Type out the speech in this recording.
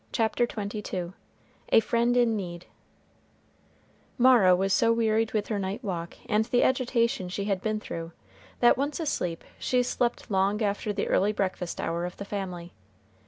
CHAPTER XXII A FRIEND IN NEED Mara was so wearied with her night walk and the agitation she had been through, that once asleep she slept long after the early breakfast hour of the family.